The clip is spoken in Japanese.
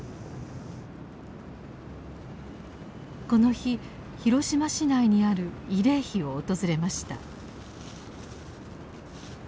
この日広島市内にある慰霊碑を訪れました。